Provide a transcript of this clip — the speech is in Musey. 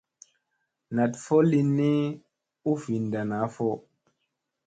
Naɗ fo lin ni u vinɗa naa fo.